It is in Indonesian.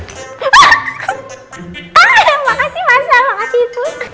ah makasih masa makasih ibu